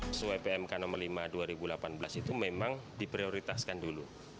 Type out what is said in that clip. sesuai pmk nomor lima dua ribu delapan belas itu memang diprioritaskan dulu